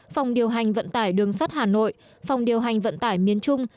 phòng điều hành vận tải đường sắt hà nội phòng điều hành vận tải miền trung